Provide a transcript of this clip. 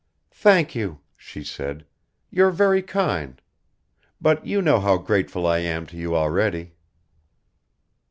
"Thank you," she said. "You're very kind. But you know how grateful I am to you already."